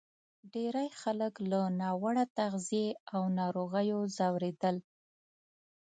ډېری خلک له ناوړه تغذیې او ناروغیو ځورېدل.